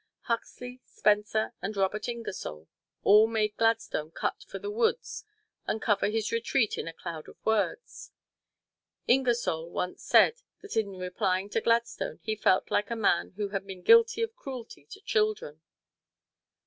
Huxley, Spencer and Robert Ingersoll, all made Gladstone cut for the woods and cover his retreat in a cloud of words. Ingersoll once said that in replying to Gladstone he felt like a man who had been guilty of cruelty to children.